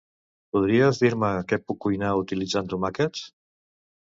Podries dir-me què puc cuinar utilitzant tomàquets?